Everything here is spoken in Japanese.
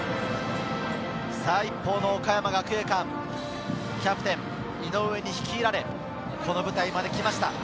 一方の岡山学芸館、キャプテン・井上に率いられ、この舞台まできました。